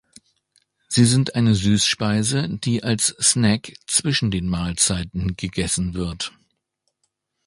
Sie sind eine Süßspeise, die als Snack zwischen den Mahlzeiten gegessen wird.